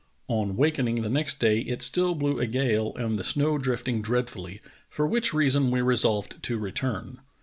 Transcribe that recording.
On wakening the next day it still blew a gale and the snow drifting dreadfully, for which reason we resolved to return.